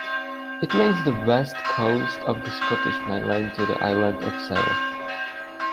It links the west coast of the Scottish mainland to the island of Seil.